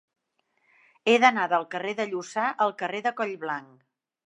He d'anar del carrer de Lluçà al carrer de Collblanc.